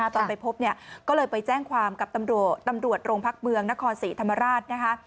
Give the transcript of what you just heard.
ตอนไปพบเนี่ยก็เลยไปแจ้งความกับตำรวจโรงพักเมืองนครศรีธรรมราชนะคะ